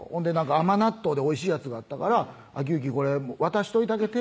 甘納豆でおいしいやつがあったから「晃行これ渡しといたげて」